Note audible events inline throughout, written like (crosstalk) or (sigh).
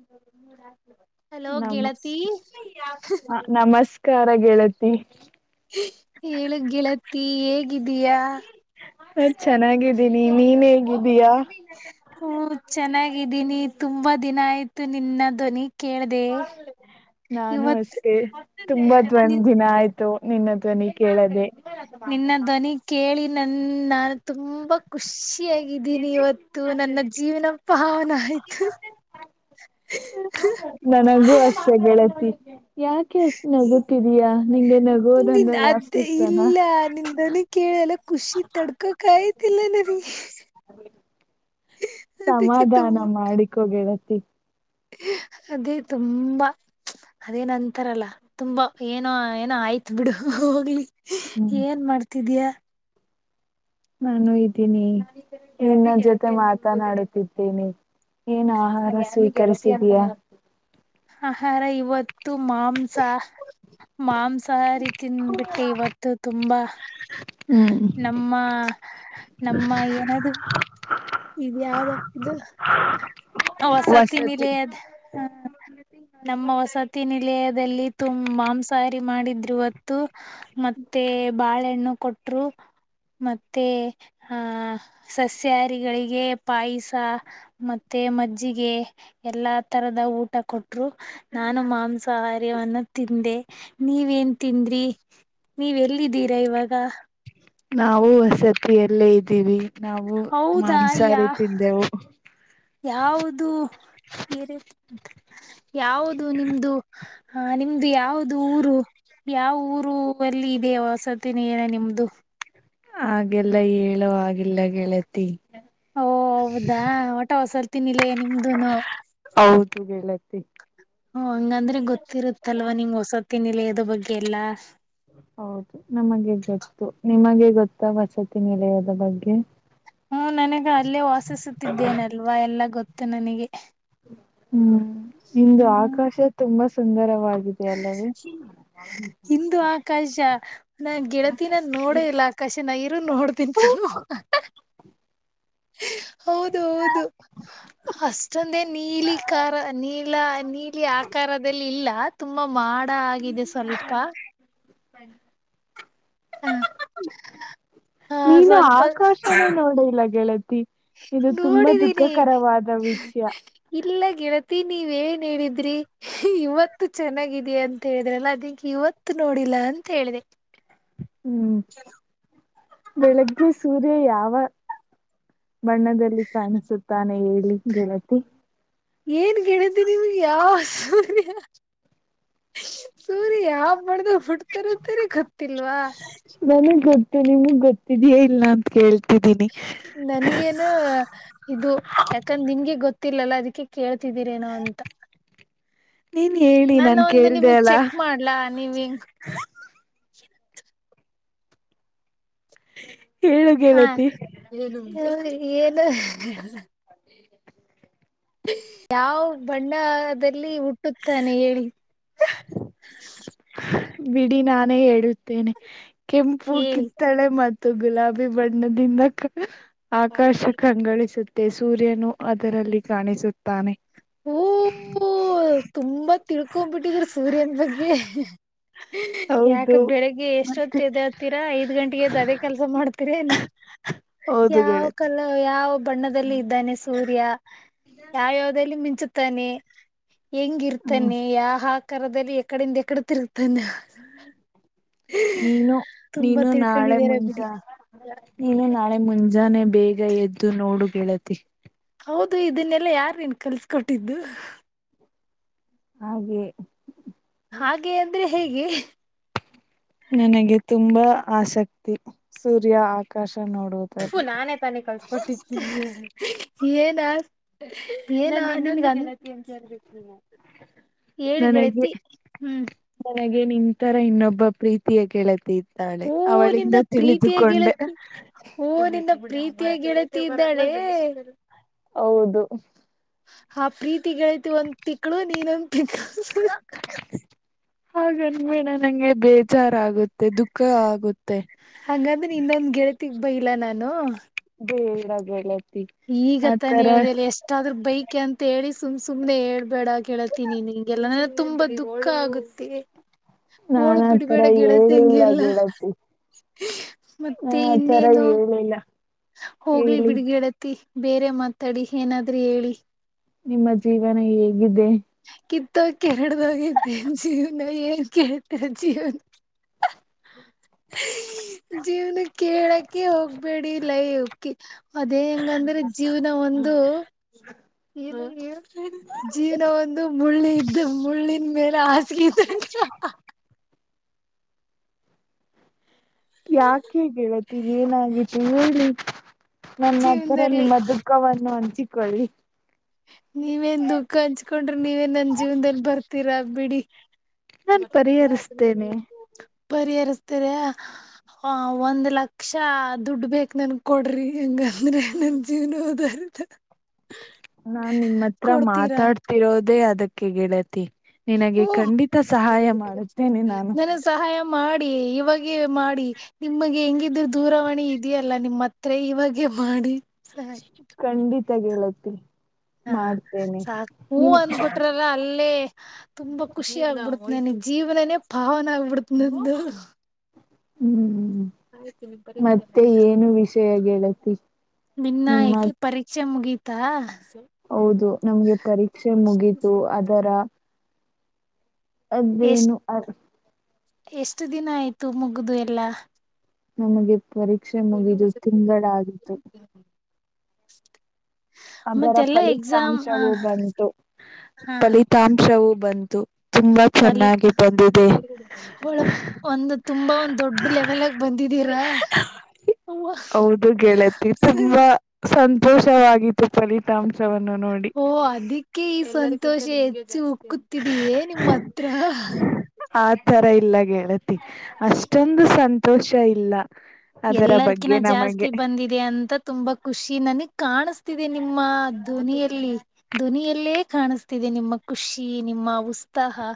ಡ ಹಲೋ (inaudible) ನಮಸ್ ಗೆಳತಿ ನಮಸ್ಕಾರ ಗೆಳತಿ ಹೇಳ ಗೆಳತಿ ಹೇಗಿದೀಯಾ ಹ ಚೆನ್ನಾಗಿದ್ದೀನಿ ನೀನ್ ಹೇಗಿದ್ದೀಯಾ ಹ್ಮ ಚೆನ್ನಾಗಿದ್ದೀನಿ ತುಂಬಾ ದಿನ ಆಯ್ತು ನಿನ್ನ ಧ್ವನಿ ಕೇಳ್ದ ನಾನು ಇವತ್ತು. ಅಷ್ಟೇ ತುಂಬಾ ಧ್ವನ್ ದಿನ ಆಯ್ತು ನಿನ್ನ ಧ್ವನಿ ಕೇಳದೆ ನಿನ್ನ ಧ್ವನಿ ಕೆ ನನ್ ನಾನು ತುಂಬಾ ಖುಷಿಯಾಗಿದ್ದೀನಿ ಇವತ್ತು. ನನ್ನ ಜೀವನ ಪಾವನ ಆಯ್ತು ನನಗೂ ಅಷ್ಟೇ ಗೆಳತಿ ಯಾಕೆ ಅಷ್ಟ್ ನಗತಿದೀಯಾ ನಿಂಗೆ ನಿನ್ ನಗೋದಂದ್ರೆ ಅಷ್ಟು ಇಷ್ಟನಾ ನಂಗ ಖುಷಿ ತಡ್ಕಕ್ ಆಯ್ತಿಲ್ಲ ನಂಗ್ ಹ (inaudible) ಸಮಾಧಾನ ತುಂಬ ಮಾಡಿಕೊ ಗೆಳತಿ ಅದೇ ತುಂಬಾ ಅದೇನಂತಾರಲ್ಲ ತುಂಬಾ ಏನೋ ಏನೋ ಆಯ್ತ್ ಬಿಡು ಹೋಗ್ಲಿ ಹ್ಮ್ ಏನ್ ಮಾಡ್ತಿದಯ ನಾನು ಇದ್ದೀನಿ ನಿನ್ನ ಜೊತೆ ಮಾತನಾಡುತ್ತಿದ್ದೇನೆ ಏನು ಆಹಾರ ಸ್ವೀಕರಿಸಿದಯಾ ಹ ಹಾರ ಇವತ್ ಈವತ್ತು ಮಾಂಸ ಮಾಂಸ ಹಾರಿ ತಿನ್ಬಿಟ್ಟೆ ಇವತ್ತು ತುಂಬಾ ಹ್ಮ್ ನಮ್ಮ ನಮ್ಮ ಏನಾದ್ ಇದ ಯಾವ್ದ್ದ ವಸತಿನಿಲಯ ಅದ್ ಹ ಷೂ (inaudible) ನಮ್ಮ ವಸತಿ ನಿಲಯದಲ್ಲಿ ತುಂಬ ಮಾಂಸಹಾರಿ ಮಾಡಿದ್ರುವತ್ತು ಮತ್ತೆ ಬಾಳೆಹಣ್ಣ ಕೊಟ್ಟ ಮತ್ತೆ ಸಸ್ಯ ಗೆ ಪಾಯಸ ಮೆ ಮಜ್ಜಿಗೆ ಎಲ್ಲಾ ತರದ ಊಟ ಕೊ. ಕೊಟ್ರು ನಾನು ಮಾಂಸಾಹಾರವನ್ನ ತಿಂದೆ ನೀವೇನ್ ತಿಂದ್ರಿ ನೀವ ಎಲ್ಲಿದ್ದೀರಾ ಇವಾಗ ನಾವು ವಸತಿ ಅಲ್ಲೇ ಇದ್ದೀವಿ. ನಾವು ಹೌದಾ ಯಾ ಮಾಂಸಹಾರಿ ತಿಂದೆವು. ಯಾವುದು ಏರಿ ಯಾವುದು ನಿಮ್ದು? (unintelligible) ಹಾ ನಿಮ್ದು ಯಾವ್ದ ಊರು? (unintelligible) ಯಾವ ಊರು ವಲ್ಲಿ ಇದೆ ಅವ ವಸತಿ ನಿಲಯ ನಿಮ್ದು? (unintelligible) ಹಾಗೆಲ್ಲ ಹೇಳು ಆಗಲ್ಲ ಗೆಳತಿ ಓ ಹೌದಾ ಟ ಹೊಸತಿ ನಿಲಯ ಹೌದು ಗೆಳತಿ ಹ ಹಂಗಂದ್ರೆ ಗೊತ್ತಿರುತ್ತಲ್ವಾ ನಿಂಗ್ ವಸತಿ ನಿಲಯ ಬಗ್ಗೆ ಎಲ್ಲಾ ಹೌದು ನಮಗೆ ಗೊತ್ತು ನಿಮಗೆ ಗೊತ್ತಾ ವಸತಿ ನಿಲಯದ ಬಗ್ಗೆ ಹ್ಮ್ ನನಗ ಅಲ್ಲೇ ವಾಸಿಸುತ್ತಿದ್ದೇನಲ್ವಾ ಎಲ್ಲಾ ಗೊತ್ತು ನನಗೆ ಹ್ಮ್ ಇಂದು ಹ್ಮ್ ಆಕಾಶ ತುಂಬಾ ಸುಂದರವಾಗಿದೆ ಅಲ್ಲವೇ ಇಂದು ಆಕಾಶ ನಾ ಗೆಳತಿನ ನೋಡ ಇಲ್ಲ ಆಕಾಶ ನ ಇರು ನೋಡ್ತನ್. ಹ (inaudible) ಹೌದು ಹೌದು? (unintelligible) ಅಷ್ಟೊಂದೇನ ನೀಲಿಕರಾ ನೀಲಾ ನೀಲಿ ಆಕಾರದಲ್ಲಿ ಇಲ್ಲ ತುಂಬಾ ಮಾ (unintelligible) ಮಾಡ ಆಗಿದೆ ಸ್ವಲ್ಪ? (unintelligible) ಹ (unintelligible) ಹಾ ನೀನು ಸ್ವಲ್ಪ ಆಕಾಶ ನೇ ನೋಡಿಲ್ಲ ಗೆಳತಿ. (unintelligible) ಇದು ತುಂಬಾ ನೋಡಿದೀನಿ ದುಃಖಕರವಾದ ವಿಷಯ ಇಲ್ಲ ಗೆಳತೀ. (unintelligible) ನೀವ ಏನ್ ಹೇಳಿದ್ರಿ ಇವತ್ತು ಚೆನ್ನಾಗಿದೇ ಅಂತ ಹೇಳಿದ್ರಲ್ಲ ಅದಿಕ್ಕೆ ಇವತ್ತು ನೋಡಿಲ್ಲ? (unintelligible) ಅಂತ ಹೇಳಿದೆ? (unintelligible) ಹೂ ಬೆಳಗ್ಗೆ ಸೂರ್ಯ ಯಾವ (unintelligible) ಬಣ್ಣದಲ್ಲಿ ಕಾಣಿಸುತ್ತಾನೆ ಹೇಳಿ ಗೆಳತಿ. (unintelligible) ಏನ್ ಗೆಳತಿ ನಿಮಗ ಯಾವ ಸೂರ್ಯ (unintelligible) ಸೂರ್ಯ ಯಾವ ಬಣ್ಣದಲ್ಲಿ ಹುಡ್ತಾರ ಅಂತಾ ಗೊತ್ತಿಲ್ವಾ? (unintelligible) ತ್ತ ನಿಮಗ್ ಗೊತ್ತಿದೆಯಾ ಇಲ್ಲ ಅಂತ ಕೇಳ್ (unintelligible) ನನಗ ಏನೋ ಇದು ಯಾಕಂದ ನಿನ್ಗೆ ಗೊತ್ತಿಲ್ಲಲ್ಲ ಅದಕ್ಕೆ ಕೇಳ್ (unintelligible) ಇದಿರೇನೋ ಅಂತ? ನೀನ್ (unintelligible) ಹೇಳಿ ನಾನ್ ನಾನೊಂದು ಕೇಳ್ದ ನಿಮಗ್ ಅಲ್ಲ ಚೆಕ್ ಮಾಡ್ಲಾ ನೀವ ಹೆಂಗ್ (unintelligible) ಹೇಳು ಹಾ ಗೆಳತಿ ಏನು ಏನ್ (unintelligible) ಯಾವ ಬಣ್ಣದಲ್ಲಿ ಹುಟ್ಟುತ್ತಾನೆ ಹೇಳು? (unintelligible) ಬಿಡಿ ನಾನೇ ಹೇಳುತ್ತೇನೆ ಕೆಂಪು ಹೇಳಿ ಕಿತ್ತಳೆ ಮಧ್ಯ (unintelligible) ತ್ತು ಗುಲಾಬಿ ಬಣ್ಣದಿಂದ ಕ ಆಕಾಶ ಕಂಗಳಿಸುತಿತ್ತು. (unintelligible) ಮತ್ತೆ ಸೂರ್ಯನು ಅದರಲ್ಲಿ ಕಾಣಿಸುತ್ತಾನೆ. (unintelligible) ಹೂ ತುಂಬಾ ತಿಳ್ಕೊಬಿಟ್ಟಿದ್ರ ಸೂರ್ಯನ ಬಗ್ಗೆ. (unintelligible) (unintelligible) ಯಾಕ ಬೆಳಿಗ್ಗೆ ಮತ್ತೆ ಎಷ್ಟೊತ್ತ ಎದಯಲ್ತೀರಾ ಐದ್ ಗಂಟೆಗೆ ಎದ್ದ ಅದೇ ಕೆಲ್ಸ ಮಾಡ್ತೀರ ಏನ? (unintelligible) ಹೌದು ಯಾವ ಗೆಳತಿ ಕಲ ಯಾ (unintelligible) ಯಾವ ಬಣ್ಣದಲ್ಲಿ ಇದ್ದಾನೆ ಸೂರ್ಯ ಯಾವ ಯಾವದಲ್ಲಿ ಮಿಂಚುತ್ತಾನೆ. (unintelligible) ಹೆಂಗ ಹ್ಮ್ ಇರ್ತಾನೆ ಯಾ ಹಾ ಆಕಾರರದಲ್ಲಿ ಎಕಡಿಂದ ಎಕಡಿ ತೀರ್ಗಾನ, (unintelligible) ನೀನು ನೀನು ನಾಳೆ ತಿಳ್ಕೊಂಡಿದಾರ ಬಿಡಿ ಮುಂಜಾ ನೀನು ನಾಳೆ ಮುಂಜಾನೆ. (unintelligible) ಬೇಗ ಎದ್ದು ನೋಡು ಗೆಳತಿ. (unintelligible) ಹೌದು ಇದನ್ನೆಲ್ಲಾ ಯಾರ್ ನೀನಗ ಕಲ್ಸ್ಕೊಟ್ಟಿದ್ದು. (unintelligible) ಹಾಗೆ? (unintelligible) ಹಾಗೆ ಅಂದ್ರೆ ಹೇಗೆ? (unintelligible) ನನಗೆ ತುಂಬಾ ಆಸೆ. (unintelligible) ತಿರುಗು ಸೂರ್ಯ ಆಕಾಶ ನೋಡುವುದರಲ್ಲಿ, (unintelligible) ಏನ್ ಏನ್ ಅನುದರಲಿಲ್ (inaudible) (unintelligible) (inaudible) ಹೇಳು ನನಗೆ ಗೆಳತಿ ಹೂ (unintelligible) ಈತರ ಇನ್ನೊಬ್ಬ ಪ್ರೀತಿಯ ಗೆಳತಿ. (unintelligible) ತಾಳೆ ಓ ನಿನ್ನ ಅವಳಿಂದ ಪ್ರೀತಿಯ ತಿಳಿದುಕೊಂಡೇ, (unintelligible) (unintelligible) ತೆ ಗೆಳತ ಇದ್ದಾಳೆ? (inaudible) ಹೌದು? (unintelligible) ಹಾ ಪ್ರೀತಿ ಗೆಳತಿ ಒಂದ್ ತಿಕ್ಳ ನೀನೊಂದ ತಿಕ್ಳ ಹಾಗ ಅನ್ಬೇಡ ನಂಗ ಬೇಜಾರು ರಾ ಆಗುತ್ತೆ ದುಃಖ ಆಗುತ್ತೆ. (unintelligible) ತಿಗ್ಬ ಇಲ್ಲ ನಾನು? (unintelligible) ಏ ಏನಾದ್ರೂ ಹೇಳೇ? (unintelligible) ಈಗತ್ತಾನ ಹೇಳ್ದಲ್ಲ ಎಷ್ಟಾದ್ರ ಬೈತಿ ಅಂತ ಹೇಳಿ (unintelligible) ಸುಮ್ ಸುಮ್ನೆ ಹೇಳ್ಬೇಡ ಗೆಳತಿ ನೀನ ಹಿಂಗ್ ಎಲ್ಲಾ ತುಂಬಾ ದುಃಖ ಆಗುತ್ತೆ. (unintelligible) ನಾನ ಹೋಳು ಆತರ ಬಿಡ್ಬೇಡ ಗೆಳತಿ ಹಾಂಗ್ ಹೇಳಿಲ್ಲ ಎಲ್ಲಾ? ಗೆಳತಿ (unintelligible) ಮತ್ತೆ ನಾನ್ ಆತರ ಇನ್ನೇನು? ಹೇಳಿಲ್ಲ (unintelligible) ಹೋಗ್ಲಿ ಹೇಳಿ ಬಿಡಿ ಗೆಳತಿ ಬೇರೆ ಮಾತಾಡಿ ಏನಾದ್ರೂ ಹೇಳಿ. (unintelligible) ನಿಮ್ಮ ಜೀವನ ಹೇಗೆ ಕಿತ್ತೋ ಕೆರಡದಾಗ ಜೀವನ ಏನ್ ಕೆಳತಿರಾ ಜೀವನಾ ಜೀವನ್ ಕೇಳಕೆ ಹೋಗ್ಬೇಡಿ ಲೈಕ್ಕಿ ಅದೇ ಹೆಂಗಂದ್ರೆ ಜೀವನ ಒಂದು ಇ ಜೀವನ ಒಂದು ಮುಳ್ಳಿ ಇದ್ದ ಮುಳ್ಳಿನ ಮೇಲೆ ಹಾಸಗಿ ಇದ (unintelligible) ಯಾಕೆ ಗೆಳತಿ ಏನಾಗಿತ್ತು ಹೇಳು. ನನ್ನ ಹತ್ರರ ಜೀವನದಲ್ಲಿ ನಿಮ್ಮ ದುಃಖವನ್ನು ಹಂಚಿಕೊಳ್ಳಿ. ನೀವೇನ್ ದುಃಖ ಹಂಚ್ಕೊಂಡ್ರೆ ನೀವೇ ನನ್ ಜೀವನ್ದಲ್ಲಿ ಬರ್ತೀರಾ ಬಿಡಿ. ನಾನ್ ಪರಿಹರಿಸ್ತೇನೆ ಪರಿಹರಿಸ್ತಾರೆ ಹಾ ಒಂದ್ ಲಕ್ಷ ದುಡ್ಡು ಬೇಕ ನನ್ ಕೊಡ್ರಿ ಹೆಂಗಂದ್ರೆ ನನ್ ಜೀವ್ನ ಹುದ್ದಾರ (unintelligible) ನಾ ನಿಮ್ಮ ಹತ್ರ ಮಾತಾಡ್ತಿರೋದೇ ಅದಕ್ಕೆ ಗೆಳತಿ ನಿನಗೆ ಹ್ಮ ಖಂಡಿತ ಸಹಾಯ ಮಾಡುತ್ತೇನೆ ನಾನು. ನನಗ್ ಸಹಾಯ ಮಾಡಿ ಇವಾಗ ಮಾಡಿ ನಿಮಗೆ ಹೆಂಗಿದ್ರ ದೂರವಾಣಿ ಇದೆಯಲ್ಲ ನಿಮ್ಮತ್ತ (unintelligible) (unintelligible) ಹೂ ಮಾಡ್ತೇನೆ ಸಾಕ ಹೂ ನಿಮ್ ಅಂದಬಿಟ್ರಲ್ಲ ಅಲ್ಲೇ ತುಂಬಾ ಖುಷಿ ಆಗ್ಬಿಡ್ತೇ ನಿ ಜೀವನನೇ ಪಾವನ ಆಗಬಿಡ್ತನಂದು ಹ್ಮ್ ಮತ್ತೆ ಏನು ವಿಷಯ ಗೆಳತಿ ನಿನ್ನ ನಿಮ್ಮ ಎಕೆ ಪರೀಕ್ಷೆ ಮುಗೀತಾ ಹೌದು ನಮ್ಗೆ ಪರೀಕ್ಷೆ ಮುಗಿತು ಅದರ ಎಷ್ಟ ಅದೇನು ಅ ಎಷ್ಟು ದಿನ ಆಯ್ತು ಮುಗ್ದ ಎಲ್ಲಾ ನಮಗೆ ಪರೀಕ್ಷೆ ಮುಗಿದು ತಿಂಗಳ ಆಗಿತು. ಅದರ ಮತ್ತೆಲ್ಲಾ ಎಕ್ಸಾಮ್ ಹ ಫಲಿತಾಂಶವೂ ಬಂತು. ಫಲಿತಾಂಶವೂ ಬಂತು. ತುಂಬಾ ಪಲಿ ಚೆನ್ನಾಗಿ ಬಂದಿದೆ ಒಳ ಒಂದು ತುಂಬಾ ಒಂದ್ ದೊಡ್ಡ ಲೆವೆಲ್ಗ ಬಂದ ದಿದ್ದೀರಾ ಹೌದು ಗೆಳತಿ ತುಂಬಾ ಸಂತೋಷವಾಗಿತ್ತು ಫಲಿತಾಂಶ ಓ ಅದಕ್ಕೆ ಈ ಸಂತೋಷ ಹೆಚ್ಚು ಆಗುತ್ತಿದೀಯೇ ನಿಮ್ಮ ಹತ್ರ ಆ ತರ ಇಲ್ಲ ಗೆಳತಿ ಅಷ್ಟೊಂದು ಸಂತೋಷ ಇಲ್ಲ ಅದರ ಎಲ್ಲರ್ಕಿನ ಬಗ್ಗೆ ಜಾಸ್ತಿ ನಮಗೆ ಬಂದಿದೆ ಅಂತ ತುಂಬಾ ಖುಷಿ ನನಗ್ ಕಾಣಸ್ತಿದೆ ನಿಮ್ಮ ಧ್ವನಿಯಲ್ಲಿ ಧ್ವನಿಯಲ್ಲೇ ಕಾಣಿಸ್ತಿದೆ ನಿಮ್ಮ ಖುಷಿ ನಿಮ್ಮ ಉಸ್ ತ್ತಹ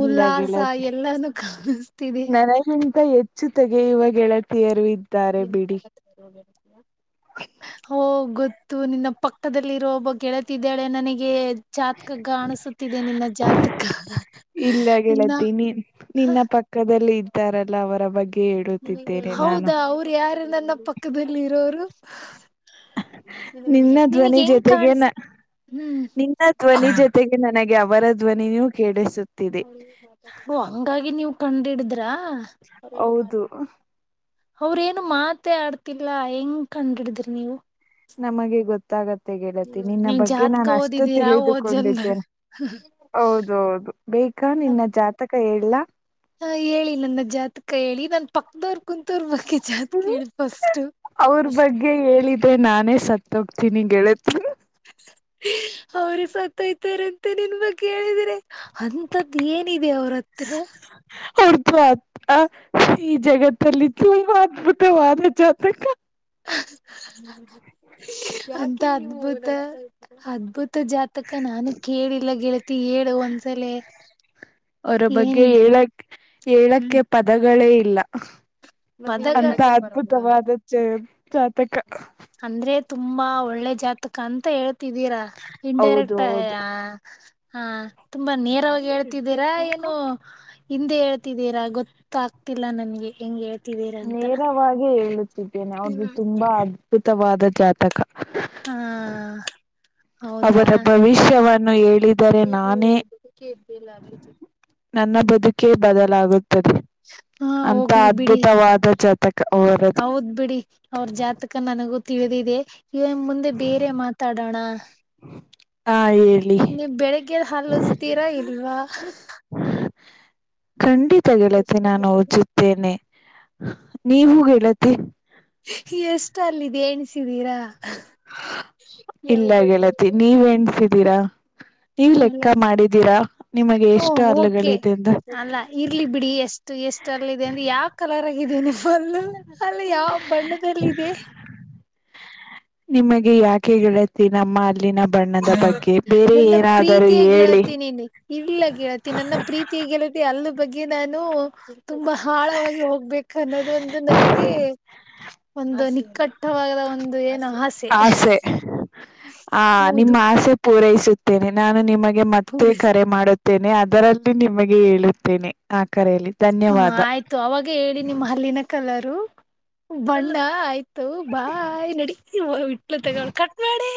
ಇಲ್ಲ ಉಲ್ಲಾಸ ಗೆಳತಿ ಎಲ್ಲಾನೂ ಕಾಣಿಸ್ತಿದೆ ಜೊತೆಗೆ ಇವಾಗ ಗೆಳತಿಯರು ಇದ್ದಾರೆ ಬಿಡಿ (unintelligible) ಗೊತ್ತು ನಿನ್ನ ಪಕ್ಕದಲ್ಲಿರೋ ಒಬ್ಬ ಗೆಳತಿದ್ದಾಳೆ ನನಗೆ. ಜಾತಕ ಕಾಣಿಸುತ್ತಿದೆ ನಿನ್ನ ಜಾತಕ ಇಲ್ಲ ಇನ್ನಾ ಗೆಳತಿ ನಿನ್ನ ಪಕ್ಕದ ಇತಾರಲ್ಲ ಅವರ ಬಗ್ಗೆ ನಾನು ಹೌದಾ ಅವ್ರು ಯಾರ ನನ್ನ ಪಕ್ಕದಲ್ಲಿ ಇರೋರು ನಿನ್ನ ನಿನಗ್ ಧ್ವನಿ ಹೆಂಗ್ ಜೊತೆಗೆ ನ ಕಾಣಸ ಹ್ಮ್ ನಿನ್ನ ಧ್ವನಿ ಜೊತೆಗೆ ನನಗೆ ಅವರ ಧ್ವನಿಯೂ ಕೇಳಿಸುತ್ತೆ ಓ ಹಂಗಾಗಿ ನೀವು ಕಂಡ ಹಿಡಿದ್ರ ಹೌದು ಅವ್ರೇಏನು ಮಾತೆ ಆಡ್ತಿಲ್ಲ ಹೆಂಗ್ ಕಂಡ್ ಹಿಡಿದ್ರಿ ನೀವು ನಮಗೆ ಗೊತ್ತಾಗತ್ತೆ ಗೆಳತಿ ನಿನ್ನ ನೀವ್ ಬಗ್ಗೆ ಜಾತ್ಕ ನಾನು ಅಷ್ಟು ಓದಿದೀರಾ ಓದ್ ಜನ್ದಾಗ ತಿಳಿದುಕೊಂಡಿದ್ದೇನೆ ಹೌದೌದು ಬೇ ಅಕಾ ನಿನ್ನ ಜಾತಕ ಹೇಳಲಾ ಹಾ ಹೇಳಿ ನನ್ನ ಜಾತಕ ಹೇಳಿ ನನ್ ಪಕ್ದವ ಕುಂತರ್ ಬಕ ಜ ಅತ್ ಕೇಳ ಸ್ಟ್ ಸತ್ತ ಹೋಗ್ತಿಗೆಳತ್ ಅವರು ಸತ್ಯ್ತಾರಂತೆ ನಿನ್ ಬಗ್ಗೆ ಹೇಳಿದೀನಿ ಅಂತದ್ದ್ ಏನಿದೆ ಅವ್ರ ಹತ್ರ ಆ ಈ ಜಗತ್ ಲ್ಲಿತ್ತು ಮಾವ ಜತೆ ಅಂತ ಅದ್ಭುತ ಅದ್ಭುತ ಮ ಜಾತಕ ನಾನು ಕೇಳಿಲ್ಲ ಗೆಳತಿ ಹೇಳು ಒಂದ್ಸಲ ಅವರ ಬಗ್ಗೆ ಏನಿದೆ ಏಳಕ್ ಏಳಕ್ಕೆ ಪದಗಳೇ ಇಲ್ಲ ಮದಗ ಅಂತ ಬರ ಅದ್ಭುತವಾದ ಜ ಜಾತಕ ಅಂದ್ರೆ ತುಂಬಾ ಒಳ್ಳೆ ಜಾತಕ ಅಂತ ಹೇಳ್ ಿದ್ದೀರಾ ಹೌದು ಇನ್ಡೈರೆಕ್ಟ್ ಹೌದು ಹಾ ತುಂಬಾ ನೇರವಾಗಿ ಹೇಳ್ತಿದ್ದೀರಾ ಏನುೋ ಹಿಂದೆ ಹೇಳ್ತಿದ್ದೀರಾ ಗೊತ್ತತ ಗೊತ್ತಿಲ್ಲ ನನ್ಗೆ ಹೆಗೆ ಹ ನೇರವಾಗಿ ಹೇಳುತ್ತಿದ್ದೇನೆ ಅವ್ರದು ತುಂಬಾ ಅದ್ಭುತವಾದ ಜಾತಕ ಹ್ಮ ಅವರ ಭವಿಷ್ಯವನ್ನು ಹೇಳಿದರೆ ನಾನೇ ನನ್ನ ಬದುಕೇ ಬದಲಾಗುತ್ತದೆ ಹಾ ಅಂತ ಹೋಗ್ಲಿ ಬಿಡಿ ಅದ್ಭುತವಾದ ಜಾತಕ ಅವರದು ಹೌದ್ ಇಿದೆ ಇವನ್ ಮುಂದೆ ಬೇರೆ ಮಾತಾಡೋಣ ಹಾ ಹೇಳಿ ನೀವು ಬೆಳಿಗ್ಗೆ ಹಲು ಉಜತೀರಾ ಇಲ್ವಾ ಖಂಡಿತ ಗೆಳತಿ ನಾನು ಓಜುತ್ತೇನೆ ನೀವು ಗೆಳತಿ ಎಷ್ಟ ಅಲ್ಲಿದೆ ಎಣಿಸಿದೀರಾ ಇಲ್ಲ ಗೆಳತಿ ನೀವ ಎನ್ಸಿದೀರಾ ನೀವ್ ಇಲ್ಲ ಲೆಕ್ಕ ಮಾಡಿದ್ದೀರಾ ನಿಮಗೆ ಹ ಎಷ್ಟು ಓಕೆ ಅಲ್ಲಗಳಿದೆ ಅಂತ ಅಲ್ಲ ಇರ್ಲಿ ಬಿಡಿ ಎಷ್ಟು ಎಷ್ಟಲ್ಲಿ ಇದೆ ಅಂದ್ರೆ ಯಾವ ಕಲರ್ ಆಗಿದೆ ನಿವುಲ್ಲು ಅಲ್ಲಿ ಯಾವ ಬಣ್ಣದದಲ್ಲಿ ಇದೆ ಹ ನಿಮಗೆ ಯಾಕೆ ಗಳತಿ ನಮ್ಮ ಅಲ್ಲಿನ ಬಣ್ಣದ ಬಗ್ಗೆ ಬೇರೆ ನನ್ನ ಏನಾದರೂ ಪ್ರೀತಿಯ ಹೇಳಿ ಗೆಳತಿ ನೀನು ಇಲ್ಲ ಗೆಳತಿ ನನ್ನ ಪ್ರೀತಿಿಯ ಗೆಳತಿ ಅಲ್ಲ ಬಗ್ಗೆ ನಾನು ತುಂಬಾ ಆಳವಾಗಿ ಹೋಗ್ಬೇಕ ಅನ್ನೋದ ಒಂದು ನನ್ಗೆ ಒಂದು ನಿಕ್ಕಟ್ಟವಾಗದ ಒಂದು ಏನು ಆಸೆ ಹ ನಿಮ್ಮ ಹೌದು ಆಸೆ ಪೂರೈಸುತ್ತೇನೆ ನಾನು ನಿಮಗೆ ಮತ್ತೆ ಪೂರೈಸ ಕರೆ ಮಾಡುತ್ತ ಅದರಲ್ಲಿ ನಿಮಗೆ ಹೇಳುತ್ತೇನೆ ಕರೆಯಲ್ಲಿ ಹ ಧನ್ಯವಾದ. ಆಯ್ತು ಅವಾಗ ಹೇಳಿ ನಿಮ್ಮ ಹಲ್ಲಿನ ಕಲರು ಬಣ್ಣ ಆಯ್ತು ತೋ ಬಾಯ್ ನಡ ಇಟ್ಲು ತಗೊಳ ಕಟ್ ಮಾಡಿ